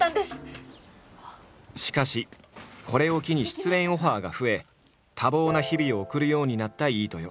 しかしこれを機に出演オファーが増え多忙な日々を送るようになった飯豊。